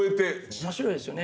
面白いですよね。